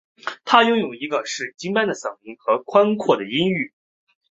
她拥有一个水晶般的嗓音和宽阔的音域。